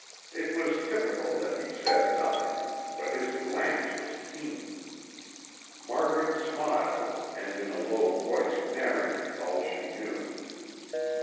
It was typical that he said nothing, but his glance was keen. Margaret smiled and in a low voice narrated all she knew.